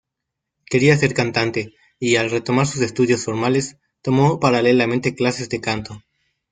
Quería ser cantante y, al retomar sus estudios formales, tomó paralelamente clases de canto.